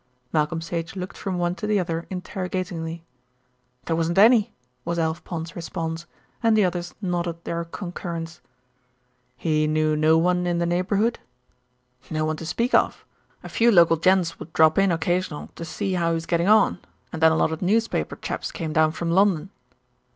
Malcolm Sage looked from one to the other interrogatingly. "There wasn't any," was Alf Pond's response, and the others nodded their concurrence. "He knew no one in the neighbourhood?" "No one to speak of. A few local gents would drop in occasional to see how he was getting on, and then a lot o' newspaper chaps came down from London."